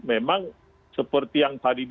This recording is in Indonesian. memang seperti yang tadi